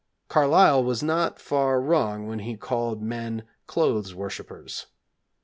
Carlyle was not far wrong when he called men "clothes worshippers."